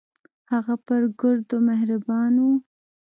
هغه پر ګردو مهربان و.